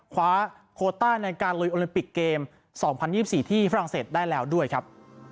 คว้าโคต้าในการลุยโอลิมปิกเกม๒๐๒๔ที่ฝรั่งเศสได้แล้วด้วยครับ